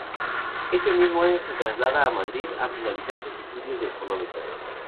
Ese mismo año se traslada a Madrid a finalizar sus estudios de Económicas.